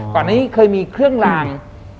ก่อนนี้เคยมีเครื่องลาง